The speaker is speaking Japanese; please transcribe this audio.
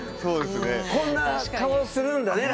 こんな顔するんだね